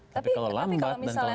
tapi kalau lambat dan kalau mau maju